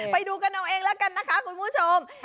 ไปดูกันเอาเองแล้วกันนะคะคุณผู้ชม